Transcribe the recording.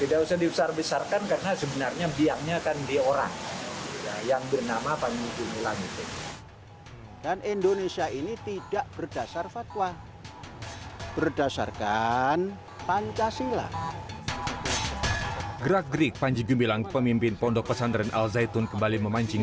hafenyu salom alehim hafenyu salom alehim